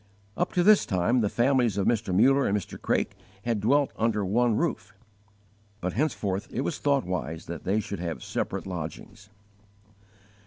Up to this time the families of Mr. Muller and Mr. Craik had dwelt under one roof, but henceforth it was thought wise that they should have separate lodgings.